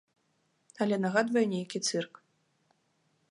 Але нагадвае нейкі цырк.